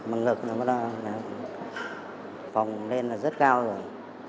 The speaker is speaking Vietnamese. bằng ngực nó đã phồng lên là rất cao rồi